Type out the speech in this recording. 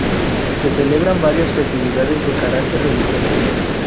Se celebran varias festividades de carácter religioso.